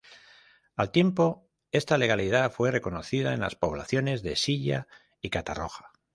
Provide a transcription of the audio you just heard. Al tiempo, esta legalidad fue reconocida en las poblaciones de Silla y Catarroja.